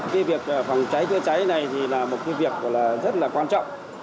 cái việc phòng cháy chữa cháy này thì là một cái việc rất là quan trọng